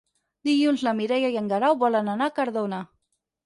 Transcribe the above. Dilluns na Mireia i en Guerau volen anar a Cardona.